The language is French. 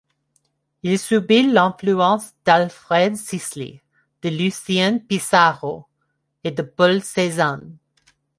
Il subit l'influence d'Alfred Sisley, de Lucien Pissarro et de Paul Cézanne.